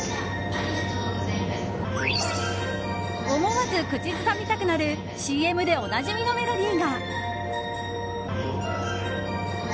思わず口ずさみたくなるＣＭでおなじみのメロディーが。